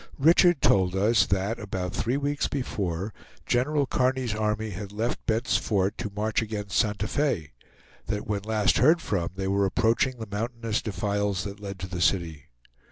Richard told us that, about three weeks before, General Kearny's army had left Bent's Fort to march against Santa Fe; that when last heard from they were approaching the mountainous defiles that led to the city.